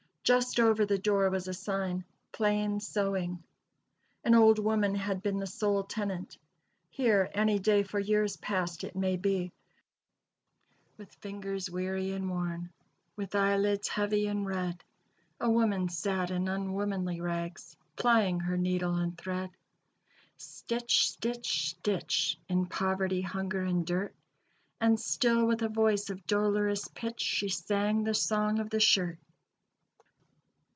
Just over the door was a sign "Plain Sewing." An old woman had been the sole tenant. Here, any day for years past, it may be, "With fingers weary and worn, With eyelids heavy and red, A woman sat in unwomanly rags, Plying her needle and thread: Stitch Stitch Stitch, In poverty, hunger and dirt, And still with a voice of dolorous pitch, She sang the song of the shirt."